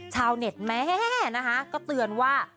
ชาวเน็ตแหมก็เตือนว่า